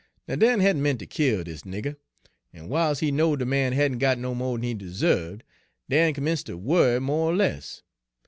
"Now, Dan hadn' meant ter kill dis nigger, en w'iles he knowed de man hadn' got no mo' d'n he deserved, Dan 'mence' ter worry mo' er less.